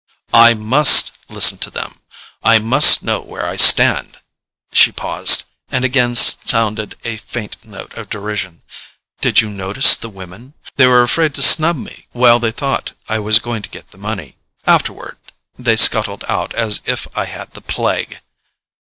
"I MUST listen to them—I must know where I stand." She paused, and again sounded a faint note of derision. "Did you notice the women? They were afraid to snub me while they thought I was going to get the money—afterward they scuttled off as if I had the plague."